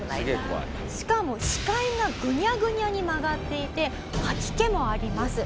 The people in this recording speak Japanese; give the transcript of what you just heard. しかも視界がグニャグニャに曲がっていて吐き気もあります。